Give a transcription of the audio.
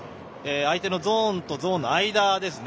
相手のゾーンとゾーンの間ですね